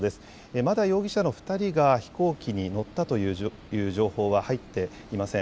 まだ容疑者の２人が飛行機に乗ったという情報は入っていません。